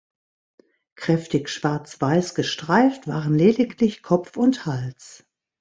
Kräftig schwarz-weiß gestreift waren lediglich Kopf und Hals.